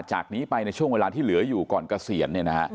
จากนี้ไปในช่วงเวลาที่เหลืออยู่ก่อนเกษียณ